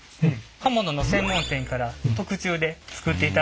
刃物の専門店から特注で作っていただいております。